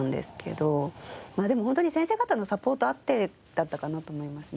まあでもホントに先生方のサポートあってだったかなと思いますね。